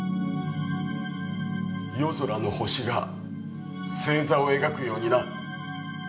夜空の星が星座を描くようにな。